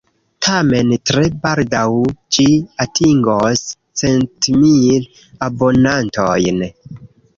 Tamen, tre baldaŭ, ĝi atingos centmil abonantojn.